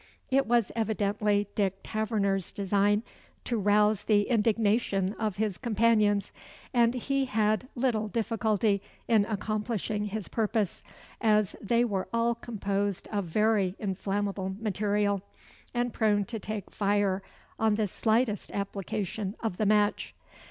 It was evidently Dick Taverner's design to rouse the indignation of his companions; and he had little difficulty in accomplishing his purpose, as they were all composed of very inflammable material, and prone to take fire on the slightest application of the match.